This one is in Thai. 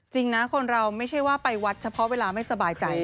จริงนะคนเราไม่ใช่ว่าไปวัดเฉพาะเวลาไม่สบายใจ